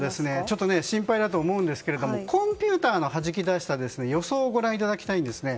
ちょっと心配だと思うんですがコンピューターのはじき出した予想をご覧いただきたいんですね。